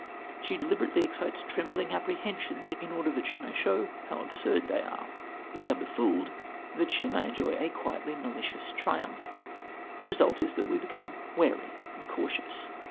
She deliberately excites trembling apprehensions in order that she may show how absurd they are. We are befooled that she may enjoy a quietly malicious triumph. The result is that we become wary and cautious.